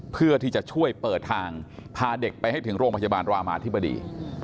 เพื่อที่จะช่วยเปิดทางพาเด็กไปให้ถึงโรงพยาบาลรามาธิบดี